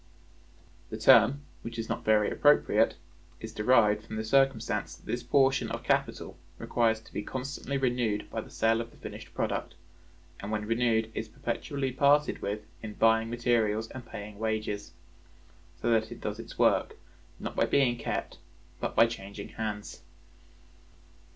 The term, which is not very appropriate, is derived from the circumstance that this portion of capital requires to be constantly renewed by the sale of the finished product, and when renewed is perpetually parted with in buying materials and paying wages; so that it does its work, not by being kept, but by changing hands.